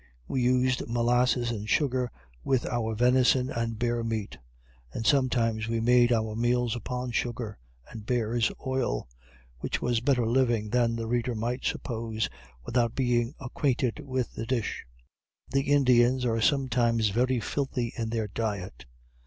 We used molasses and sugar with our venison and bear meat; and sometimes we made our meals upon sugar and bear's oil, which was better living than the reader might suppose without being acquainted with the dish. The Indians are sometimes very filthy in their diet.